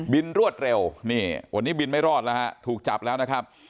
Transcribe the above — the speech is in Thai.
รวดเร็วนี่วันนี้บินไม่รอดแล้วฮะถูกจับแล้วนะครับ